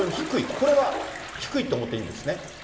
これは低いと思っていいんですね？